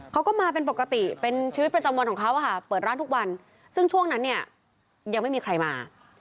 เขาก็มาเป็นปกติเป็นชีวิตประจำวันของเขาเปิดร้านทุกวันซึ่งช่วงนั้นเนี่ยยังไม่มีใครมา